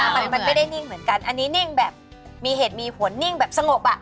มันไม่ได้นิ่งเหมือนกันอันนี้นิ่งแบบมีเหตุมีหัวนิ่งแบบสงบอ่ะ